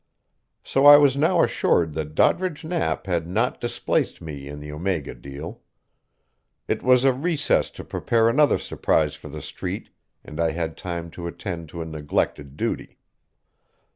So I was now assured that Doddridge Knapp had not displaced me in the Omega deal. It was a recess to prepare another surprise for the Street, and I had time to attend to a neglected duty.